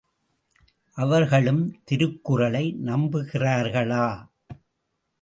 அவர்களும் திருக்குறளை நம்புகிறார்களா?